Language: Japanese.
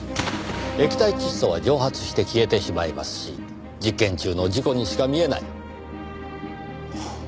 液体窒素は蒸発して消えてしまいますし実験中の事故にしか見えない。